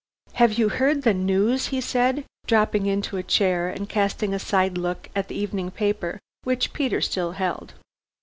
"Have you heard the news?" he said, dropping into a chair and casting a side look at the evening paper which Peter still held.